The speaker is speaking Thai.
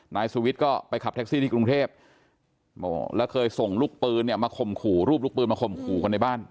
นายสุวิทย์ก็ไปขับแท็กซี่ที่กรุงเทพแล้วเคยส่งลูกปืนเนี่ยมาข่มขู่รูปลูกปืนมาข่มขู่คนในบ้าน